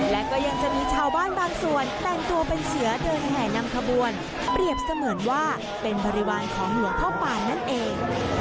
และก็ยังจะมีชาวบ้านบางส่วนแต่งตัวเป็นเสือเดินแห่นำขบวนเปรียบเสมือนว่าเป็นบริวารของหลวงพ่อปานนั่นเอง